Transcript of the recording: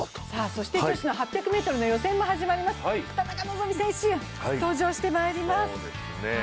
そして女子の８００ｍの予選も始まります、田中希実選手も登場します。